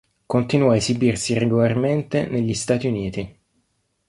Continuò ad esibirsi regolarmente negli Stati Uniti.